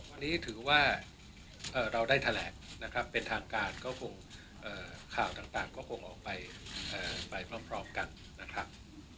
วันนี้ถือว่าเราได้แถลงนะครับเป็นทางการก็คงข่าวต่างก็คงออกไปไปพร้อมกันนะครับ